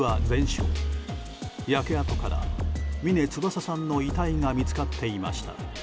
焼け跡から、峰翼さんの遺体が見つかっていました。